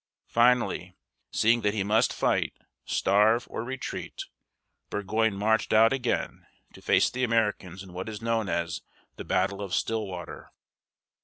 Finally, seeing that he must fight, starve, or retreat, Burgoyne marched out again, to face the Americans in what is known as the battle of Still´wa ter.